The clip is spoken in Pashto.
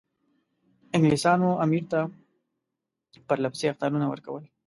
انګلیسانو امیر ته پرله پسې اخطارونه ورکول.